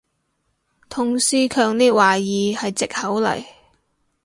同事強烈懷疑係藉口嚟